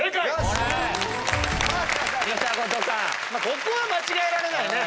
ここは間違えられないね。